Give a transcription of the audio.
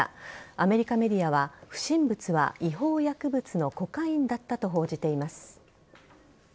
アメリカメディアは不審物は違法薬物のコカインだったと報じています。